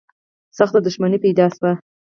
سخته دښمني پیدا شوه